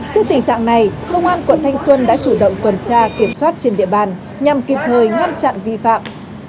trước tình trạng này công an quận thanh xuân đã chủ động tuần tra kiểm soát trên địa bàn nhằm kịp thời ngăn chặn vi phạm